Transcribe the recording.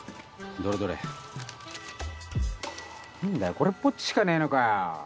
これっぽっちしかねえのかよ。